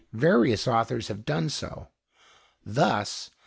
Various authors have done so. Thus, M.